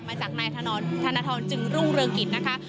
มาจากนายธนทรจึงรุ่งเรืองกิจนะคะ